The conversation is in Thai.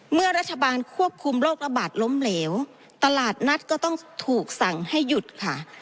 เมื่อรัฐบาลควบคุมโรคระบาดล้มเหลวตลาดนัดก็ต้องถูกสั่งให้หยุดค่ะ